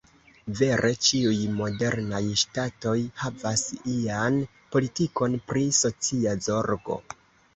Vere ĉiuj modernaj ŝtatoj havas ian politikon pri socia zorgo.